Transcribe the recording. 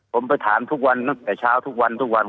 ผมไปถามทุกวันตั้งแต่เช้าทุกวันทุกวัน